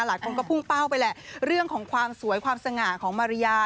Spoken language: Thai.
หลายคนก็พุ่งเป้าไปแหละเรื่องของความสวยความสง่าของมาริยา